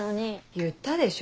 言ったでしょ